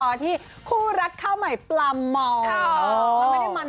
ส่วนตอนที่คู่รักข้าวใหม่ปรำเหมา